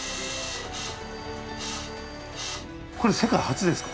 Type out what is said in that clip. これ世界初ですか？